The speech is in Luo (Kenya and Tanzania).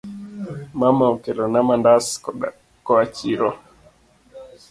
Mama okelona mandas koa chiro.